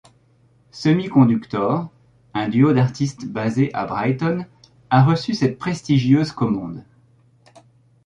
Semiconductor, un duo d'artistes basé à Brighton, a reçu cette prestigieuse commande.